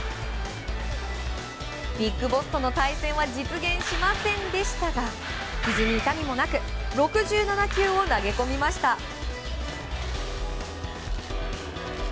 ビッグボスとの対戦は実現しませんでしたがひじに痛みもなく６７球を投げ込みました。